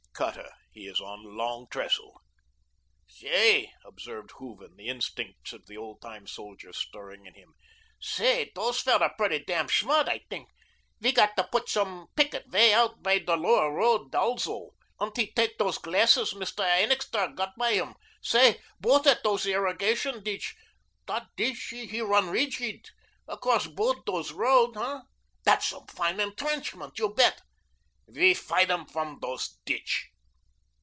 "Cutter. He is on the Long Trestle." "Say," observed Hooven, the instincts of the old time soldier stirring him, "say, dose feller pretty demn schmart, I tink. We got to put some picket way oudt bei der Lower Roadt alzoh, und he tek dose glassus Mist'r Ennixt'r got bei um. Say, look at dose irregation ditsch. Dot ditsch he run righd across BOTH dose road, hey? Dat's some fine entrenchment, you bedt. We fighd um from dose ditsch."